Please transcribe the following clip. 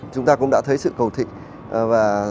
chúng ta cũng đã thấy sự cầu thịnh và